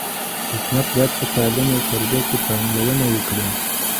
حکومت باید په تعلیم او تربیه کي پانګونه وکړي.